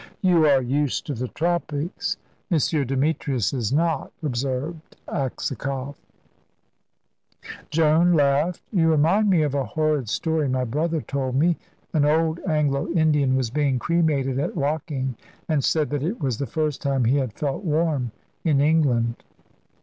"You are used to the tropics; M. Demetrius is not," observed Aksakoff. Joan laughed. "You remind me of a horrid story my brother told me. An old Anglo Indian was being cremated at Woking, and said that it was the first time he had felt warm in England."